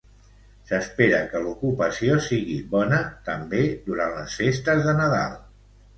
S'espera que l'ocupació sigui bona també durant les festes de Nadal.